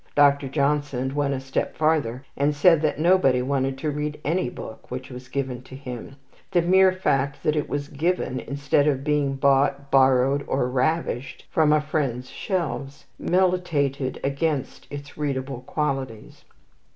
Dr. Johnson went a step farther, and said that nobody wanted to read any book which was given to him; the mere fact that it was given, instead of being bought, borrowed, or ravished from a friend's shelves, militated against its readable qualities.